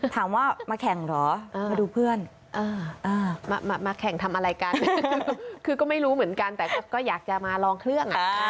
ถามว่ามาแข่งเหรอมาดูเพื่อนมาแข่งทำอะไรกันคือก็ไม่รู้เหมือนกันแต่ก็อยากจะมาลองเครื่อง